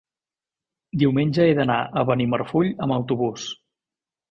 Diumenge he d'anar a Benimarfull amb autobús.